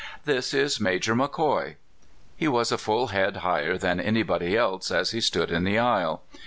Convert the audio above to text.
"This is Major McCoy." He was a full head higher than anybody else as he stood in the aisle.